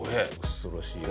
恐ろしいよ。